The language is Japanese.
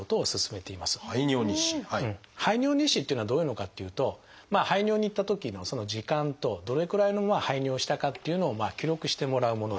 排尿日誌っていうのはどういうのかっていうと排尿に行ったときの時間とどれくらいの排尿をしたかっていうのを記録してもらうものです。